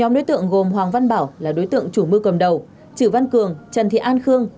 nhóm đối tượng gồm hoàng văn bảo là đối tượng chủ mưu cầm đầu chử văn cường trần thị an khương